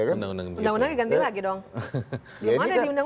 undang undangnya diganti lagi dong